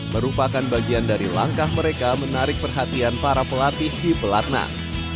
merupakan bagian dari langkah mereka menarik perhatian para pelatih di pelatnas